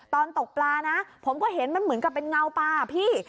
ตกปลานะผมก็เห็นมันเหมือนกับเป็นเงาปลาพี่